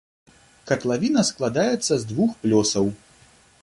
Катлавіна складаецца з двух плёсаў.